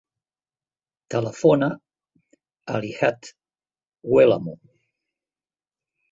Telefona a l'Iyad Huelamo.